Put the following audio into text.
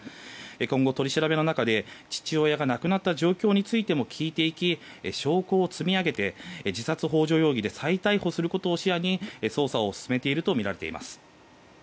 今後、取り調べの中で父親が亡くなった状況についても聞いていき証拠を積み上げて自殺幇助容疑で再逮捕することを視野に捜査を進めているとみられています。